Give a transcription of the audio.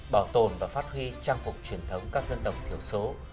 bảo tồn và phát huy trang phục truyền thống các dân tộc thiểu số